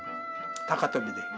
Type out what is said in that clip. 高跳びで。